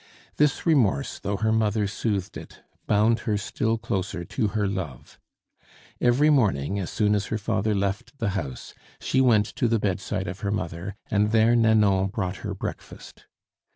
This remorse, though her mother soothed it, bound her still closer to her love. Every morning, as soon as her father left the house, she went to the bedside of her mother, and there Nanon brought her breakfast.